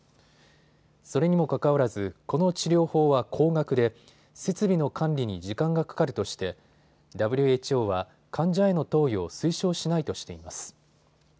それにもかかわらず、この治療法は高額で設備の管理に時間がかかるとしてＷＨＯは患者への投与を推奨しないとしています。